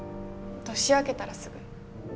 年明けたらすぐ。